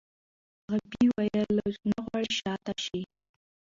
غابي وویل چې نه غواړي شا ته شي.